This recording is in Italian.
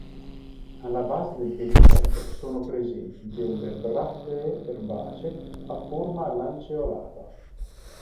Alla base del pedicello sono presenti delle brattee erbacee a forma lanceolata.